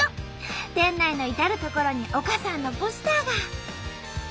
店内の至る所に丘さんのポスターが！